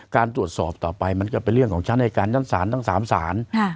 การตรวจสอบต่อไปมันก็เป็นเรื่องของชั้นอายการชั้นศาลทั้ง๓ศาล